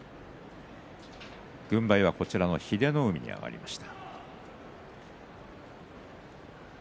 軍配は英乃海に上がりました。